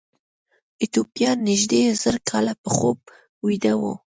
ایتوپیایان نږدې زر کاله په خوب ویده وو.